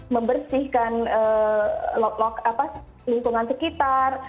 membersihkan lingkungan sekitar